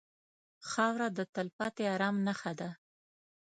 خاوره د تلپاتې ارام نښه ده.